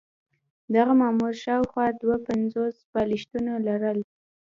دغه مامور شاوخوا دوه پنځوس بالښتونه لرل.